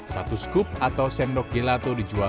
satu scoop atau sendok gelato dijual rp dua puluh delapan